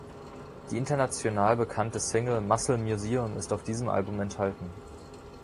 Die international bekannte Single "Muscle Museum" ist auf diesem Album enthalten.